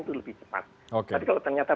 itu lebih cepat tapi kalau ternyata